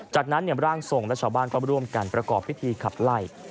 จากนั้นร่างทรงและชาวบ้านก็ร่วมกันประกอบพิธีขับไล่